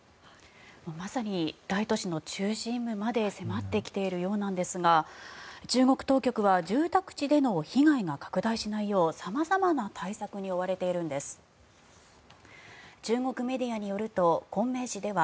まさに大都市の中心部まで迫ってきているようなんですが中国東京は住宅地での被害が拡大しないよう様々な対策に追われているんです。